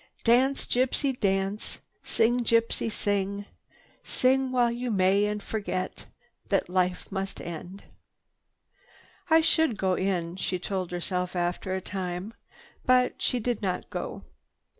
"'Dance, gypsy, dance. Sing, gypsy, sing, Sing while you may, and forget That life must end.' "I should go in," she told herself after a time. But she did not go.